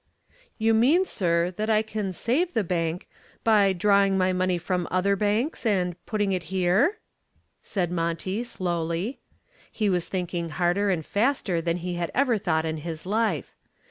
"You mean, sir, that I can save the bank by drawing my money from other banks and putting it here?" asked Monty, slowly. He was thinking harder and faster than he had ever thought in his life.